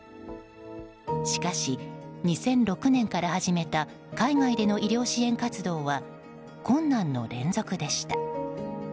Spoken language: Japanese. しかし２０００６年から始めた海外での医療支援活動は困難の連続でした。